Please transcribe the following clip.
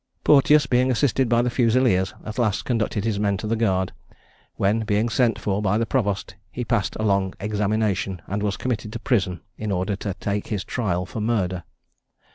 Porteous, being assisted by the Fusileers, at last conducted his men to the guard; when being sent for by the provost, he passed a long examination, and was committed to prison in order to take his trial for murder.